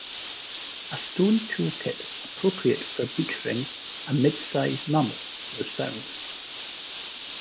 A stone tool kit appropriate for butchering a mid-sized mammal was found.